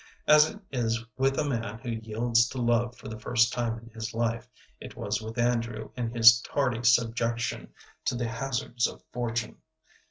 As it is with a man who yields to love for the first time in his life, it was with Andrew in his tardy subjection to the hazards of fortune.